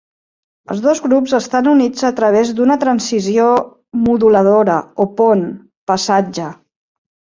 Els dos grups estan units a través d'una transició moduladora, o pont, passatge.